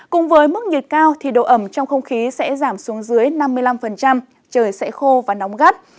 cùng với mức nhiệt cao thì độ ẩm trong không khí sẽ giảm xuống dưới năm mươi năm trời sẽ khô và nóng gắt